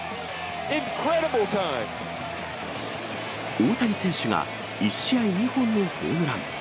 大谷選手が１試合２本のホームラン。